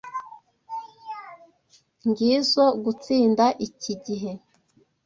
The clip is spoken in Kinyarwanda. Ngizoe gutsinda iki gihe.